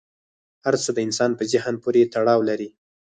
هر څه د انسان په ذهن پورې تړاو لري.